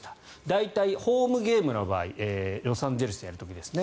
大体ホームゲームの場合ロサンゼルスの時ですね